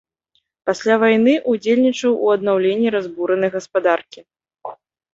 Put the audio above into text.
Пасля вайны ўдзельнічаў у аднаўленні разбуранай гаспадаркі.